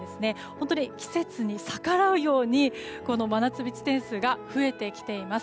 本当に季節に逆らうように真夏日地点数が増えてきています。